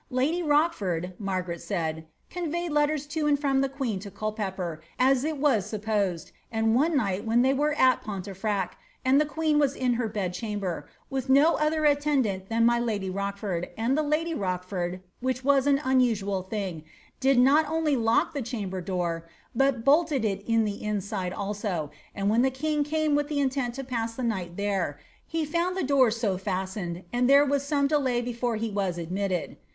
^^ Lady Rochford," Margaret said, ^ conveyed letters to and from the queen to Culpepper, as it was sup posed, and one night when they were at Pontefract, and the queen was in her bed chamber, with no other attendant than my lady Rochford, and the lady Rochford (which was an unusual thing) did not only lock the chamber door, but bolted it in the inside also, and when the king CMBe with the intent to pass the night there, he found the door so fast ened, and there was some delay before he was admitted."